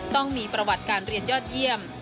ต้องมีประวัติการเรียนยอดเยี่ยม